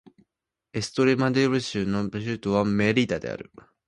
エストレマドゥーラ州の州都はメリダである